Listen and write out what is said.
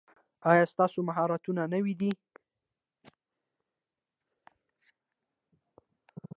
ایا ستاسو مهارتونه نوي دي؟